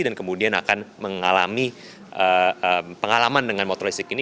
dan kemudian akan mengalami pengalaman dengan motor listrik ini